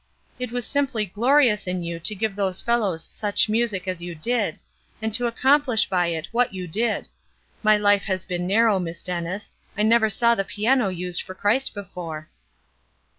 It was simply glorious in you to give those fellows such music as you did, and to accomplish by it what you did. My life has been narrow, Miss Dennis; I never saw the piano used for Christ before."